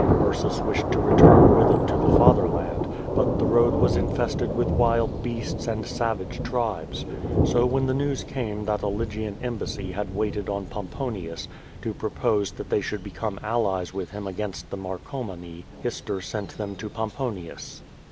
Ursus wished to return with it to the fatherland, but the road was infested with wild beasts and savage tribes. So when the ;204 Q^^^ VADIS. news came that a Lygian embassy had waited on Pomponius, to propose that they should become allies with him against the Marcomani, Hister sent them to Pomponius.